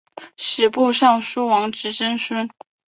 吏部尚书王直曾孙。